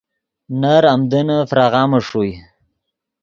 نر آمدنّے فراغامے ݰوئے